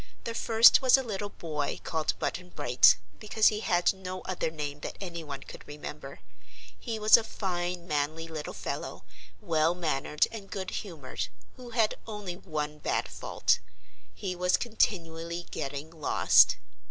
The first was a little boy called Button Bright, because he had no other name that anyone could remember. He was a fine, manly little fellow, well mannered and good humored, who had only one bad fault. He was continually getting lost.